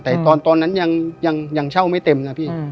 แต่ตอนนั้นยังเช่าไม่เต็มนะพี่